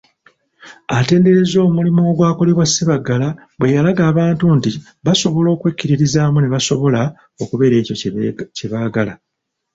Atenderezza omulimu ogwakolebwa Sebaggala bwe yalaga abantu nti basobola okwekkiririzaamu ne basobola okubeera ekyo kye baagala.